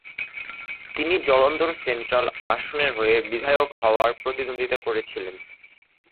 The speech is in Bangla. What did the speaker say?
তিনি জলন্ধর সেন্ট্রাল আসনের হয়ে বিধায়ক হওয়ার প্রতিদ্বন্দ্বিতা করেছিলেন।